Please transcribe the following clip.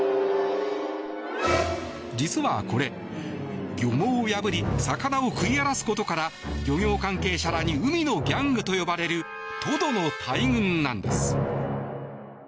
実はこれ、漁網を破り魚を食い荒らすことから漁業関係者らに海のギャングと呼ばれるトドの大群なんです。